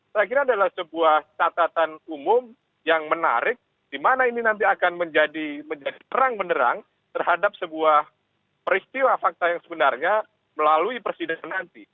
saya kira adalah sebuah catatan umum yang menarik di mana ini nanti akan menjadi terang benerang terhadap sebuah peristiwa fakta yang sebenarnya melalui persidangan nanti